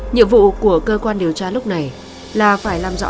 nhiệm vụ của cơ quan điều tra lúc này là phải làm rõ đó là ai